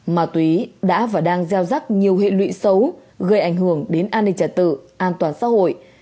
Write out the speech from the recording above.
ma túy đã và đang gieo rắc nhiều hệ lụy xấu gây ảnh hưởng đến an ninh trả tự an toàn xã hội